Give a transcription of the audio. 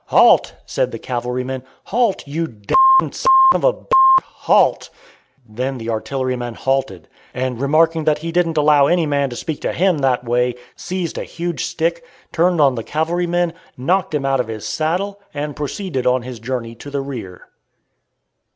"Halt," said the cavalryman, "halt, you d n s of a ; halt!" Then the artilleryman halted, and remarking that he didn't allow any man to speak to him that way, seized a huge stick, turned on the cavalryman, knocked him out of his saddle, and proceeded on his journey to the rear.